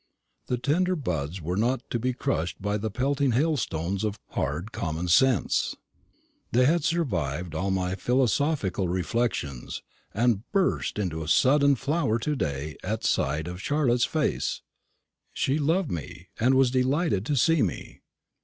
The tender buds were not to be crushed by the pelting hailstones of hard common sense. They had survived all my philosophical reflections, and burst into sudden flower to day at sight of Charlotte's face. She loved me, and she was delighted to see me.